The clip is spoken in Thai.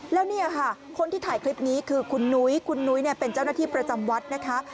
แล้วเนี่ยค่ะคนที่ถ่ายคลิปนี้คือคุณนุ้ยคุณนุ้ยเป็นเจ้าหน้าที่ประจำวัดนะคะ